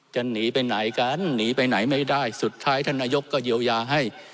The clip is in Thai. จะหนีไปไหนกันหนีไปไหนไม่ได้สุดท้ายท่านนายกก็เยียวยาให้